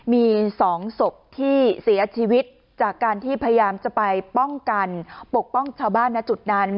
มี๒ศพที่เสียชีวิตจากการที่พยายามจะไปป้องกันปกป้องชาวบ้านณจุดนั้น